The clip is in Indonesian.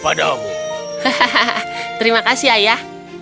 paman bahkan mereka berfikir untuk menaikkan satu kelas di tahun berikutnya